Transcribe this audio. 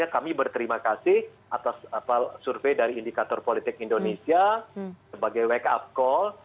kami berterima kasih atas survei dari indikator politik indonesia sebagai wake up call